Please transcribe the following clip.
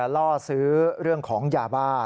ล่อซื้อเรื่องของยาบ้า